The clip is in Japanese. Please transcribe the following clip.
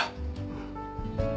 うん。